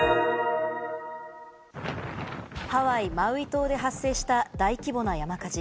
ハワイ・マウイ島で発生した大規模な山火事。